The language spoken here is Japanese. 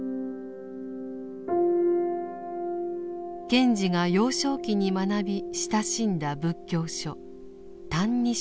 賢治が幼少期に学び親しんだ仏教書「歎異抄」。